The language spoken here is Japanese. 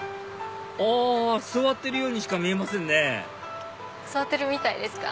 あ座ってるようにしか見えませんね座ってるみたいですか？